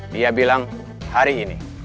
dia bilang hari ini